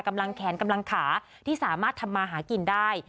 แขนกำลังขาที่สามารถทำมาหากินได้